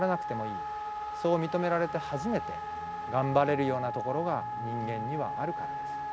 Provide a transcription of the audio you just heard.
そう認められて初めてがんばれるようなところが人間にはあるからです。